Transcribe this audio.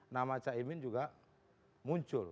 nama caimin juga muncul